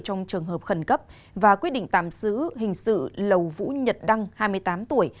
trong trường hợp khẩn cấp và quyết định tạm giữ hình sự lầu vũ nhật đăng hai mươi tám tuổi